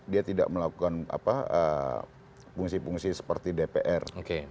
dia tidak melakukan fungsi fungsi seperti dpr